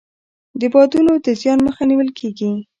د بادونو د زیان مخه نیول کیږي.